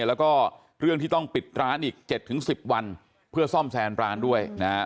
แล้วก็เรื่องที่ต้องปิดร้านอีก๗๑๐วันเพื่อซ่อมแซมร้านด้วยนะฮะ